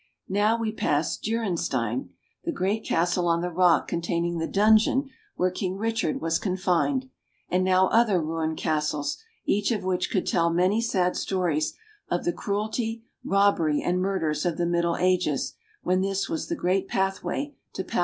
Now we pass Durenstein, the great castle on the rock containing the dungeon where King Richard was confined, and now other ruined castles, each of which could tell many sad stories of the cruelty, robbery, and murders of the Middle Ages, when this was the great pathway to Palestine.